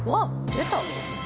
出た！